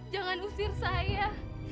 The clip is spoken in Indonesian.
jangan usir saya